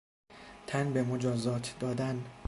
تن به مجازات دادن